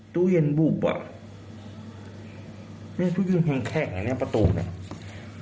ตู้เย็นบุบอ่ะแม่ตู้เย็นแข็งแข้งอันนี้ประตูเนี่ย